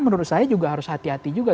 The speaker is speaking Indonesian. menurut saya juga harus hati hati juga